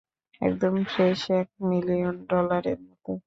একদম ফ্রেশ এক মিলিয়ন ডলারের মতো!